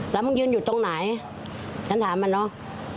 แล้วมึงยืนอยู่ตรงไหนฉันถามมันเนาะ